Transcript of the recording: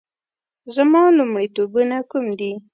زما لومړیتوبونه کوم دي؟